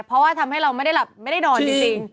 เพราะว่าทำให้เราไม่ได้หลับไม่ได้นอนจริง